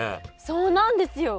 そうなんですよ！